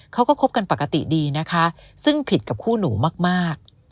เขาก็คบกันปกติดีนะคะซึ่งผิดกับคู่หนูมาก